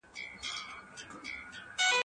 زما له غېږي زما له څنګه پاڅېدلای